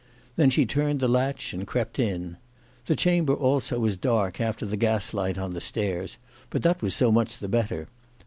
Then she turned the latch and crept in. The chamber also was dark after the gaslight on the stairs, but that was so much the better.